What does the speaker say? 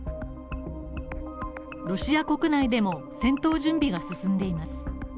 ロシア国内でも戦闘準備が進んでいます。